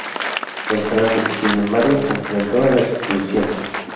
En Francia, sin embargo, se enfrentó a la exclusión.